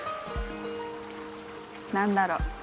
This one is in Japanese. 何だろう。